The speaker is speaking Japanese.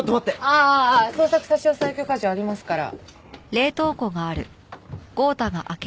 ああ捜索差押許可状ありますから。